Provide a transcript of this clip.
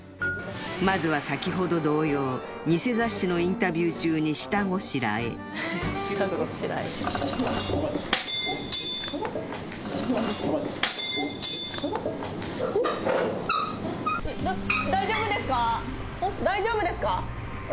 まずは先ほど同様偽雑誌のインタビュー中に下ごしらえあっ大丈夫ですか？